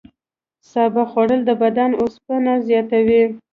سابه خوړل د بدن اوسپنه زیاتوي.